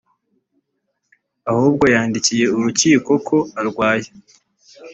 ahubwo yandikiye urukiko ko arwaye